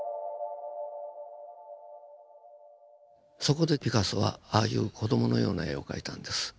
そこでピカソはああいう子供のような絵を描いたんです。